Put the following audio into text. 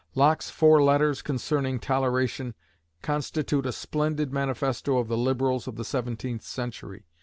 Locke's four letters "Concerning Toleration" constitute a splendid manifesto of the Liberals of the seventeenth century.